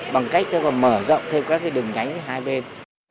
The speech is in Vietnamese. bằng cách mở rộng thêm các đường nhánh hai bên